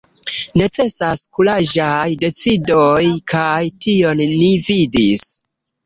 Necesas kuraĝaj decidoj, kaj tion ni vidis.